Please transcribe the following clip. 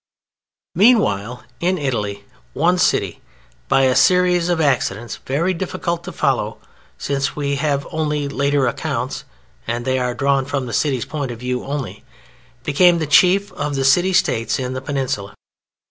Meanwhile in Italy one city, by a series of accidents very difficult to follow (since we have only later accounts—and they are drawn from the city's point of view only), became the chief of the City States in the Peninsula.